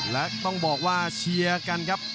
และต้องบอกว่าเชียร์กันครับ